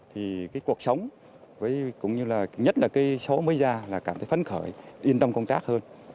thì cuộc sống nhất là số mới ra là cảm thấy phấn khởi yên tâm công tác hơn